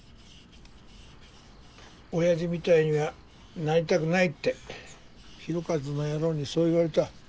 親父みたいにはなりたくないって浩一の野郎にそう言われた。